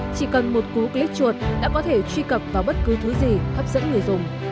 chỉ cần một cú click chuột đã có thể truy cập vào bất cứ thứ gì hấp dẫn người dùng